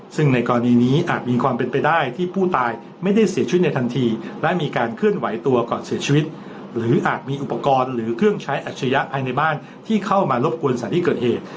ซึ่งใช้อัจฉัยะภายในบ้านที่เข้ามารบกวนสารที่เกิดเหตุ